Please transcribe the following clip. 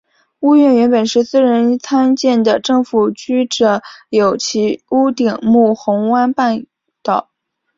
屋苑原本是私人参建的政府居者有其屋项目红湾半岛。